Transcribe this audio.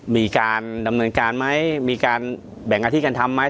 มีการดำเนินการไหมมีการแบ่งหน้าที่กันทำไหม